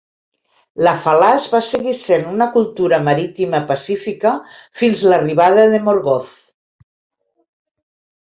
La Falas va seguir sent una cultura marítima pacífica fins l"arribada de Morgoth.